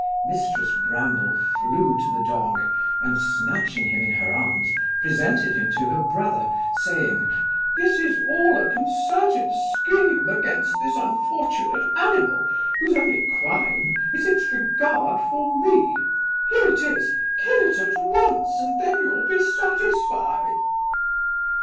Mrs Bramble flew to the dog, and, snatching him in her arms, presented him to her brother saying, 'This is all a concerted scheme against this unfortunate animal, whose only crime is its regard for me Here it is, kill it at once, and then you'll be satisfied.